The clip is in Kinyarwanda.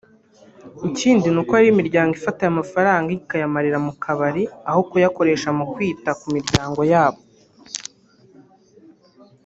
Ikindi nuko hari imiryango ifata aya mafaranga ikayamarira mu kabari aho kuyakoresha mu kwita ku miryango yabo